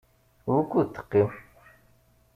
Wukud teqqim?